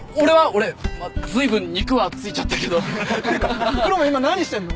俺随分肉はついちゃったけどっていうか黒目今何してんの？